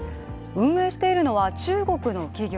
運営しているのは中国の企業。